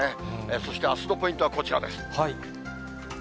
そしてあすのポイントはこちらです。